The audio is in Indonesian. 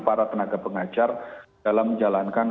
para tenaga pengajar dalam menjalankan